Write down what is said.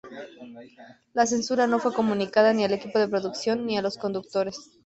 La censura no fue comunicada ni al equipo de producción ni a los conductores.